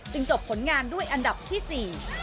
จบผลงานด้วยอันดับที่๔